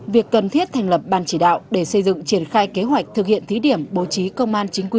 việc cần thiết thành lập ban chỉ đạo để xây dựng triển khai kế hoạch thực hiện thí điểm bố trí công an chính quy